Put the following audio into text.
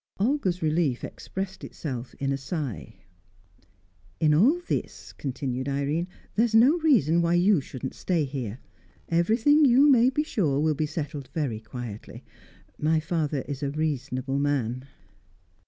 Olga's relief expressed itself in a sigh. "In all this," continued Irene, "there's no reason why you shouldn't stay here. Everything, you may be sure, will be settled very quietly. My father is a reasonable man."